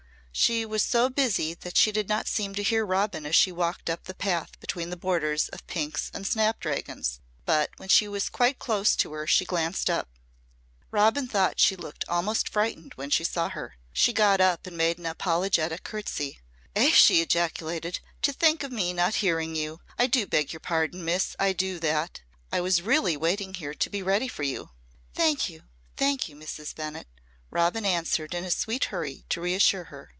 She was so busy that she did not seem to hear Robin as she walked up the path between the borders of pinks and snapdragons, but when she was quite close to her she glanced up. Robin thought she looked almost frightened when she saw her. She got up and made an apologetic curtsey. "Eh!" she ejaculated, "to think of me not hearing you. I do beg your pardon, Miss, I do that. I was really waiting here to be ready for you." "Thank you. Thank you, Mrs. Bennett," Robin answered in a sweet hurry to reassure her.